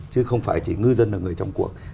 chứ không phải chỉ ngư dân là người trong cuộc